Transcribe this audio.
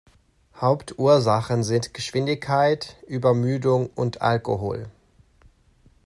Hauptursachen sind Geschwindigkeit, Übermüdung und Alkohol.